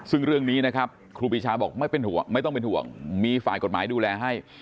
ซึ่งเรื่องนี้นะครับครูปีชาบอกไม่เป็นห่วงไม่ต้องเป็นห่วงมีฝ่ายกฎหมายดูแลให้